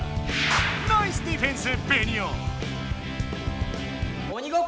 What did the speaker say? ナイスディフェンスベニオ！